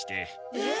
えっ！？